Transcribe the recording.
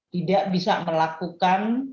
tidak bisa melakukan